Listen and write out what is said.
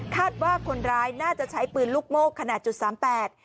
คาดว่าคนร้ายน่าจะใช้ปืนลูกโมกขนาด๐๓๘